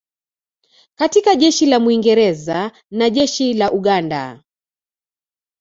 katika Jeshi la Mwingereza na Jeshi la Uganda